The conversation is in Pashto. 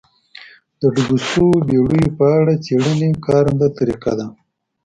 د ډوبو شویو بېړیو په اړه څېړنې کارنده طریقه ده.